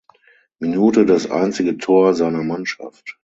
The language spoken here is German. Minute das einzige Tor seiner Mannschaft.